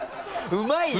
うまいよ！